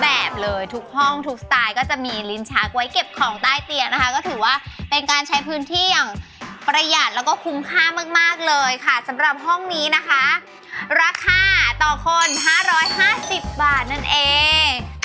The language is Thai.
แบบเลยทุกห้องทุกสไตล์ก็จะมีลิ้นชักไว้เก็บของใต้เตียงนะคะก็ถือว่าเป็นการใช้พื้นที่อย่างประหยัดแล้วก็คุ้มค่ามากเลยค่ะสำหรับห้องนี้นะคะราคาต่อคน๕๕๐บาทนั่นเอง